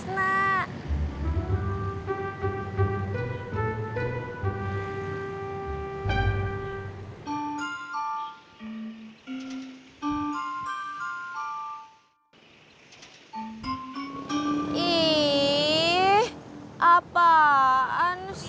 ini apaan sih